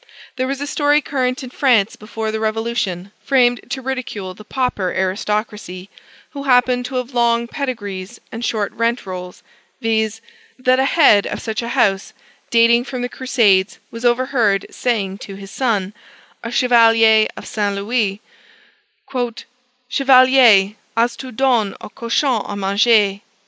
There was a story current in France before the Revolution, framed to ridicule the pauper aristocracy, who happened to have long pedigrees and short rent rolls, viz., that a head of such a house, dating from the Crusades, was overheard saying to his son, a Chevalier of St. Louis, "Chevalier, as tu donné au cochon à manger!"